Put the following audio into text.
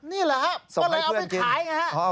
นี่เหรอครับต้องเลยเอาไปขายนะครับส่งให้เพื่อนกิน